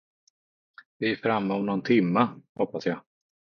Vi är framme om nån timme, hoppas jag.